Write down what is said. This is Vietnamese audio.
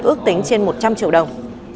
ước tính trên một trăm linh triệu đồng